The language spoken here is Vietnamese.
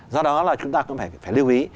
do đó là chúng ta cũng phải lưu ý